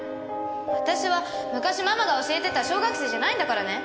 私は昔ママが教えてた小学生じゃないんだからね。